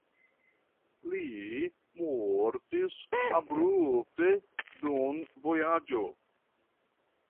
Li mortis abrupte dum vojaĝo.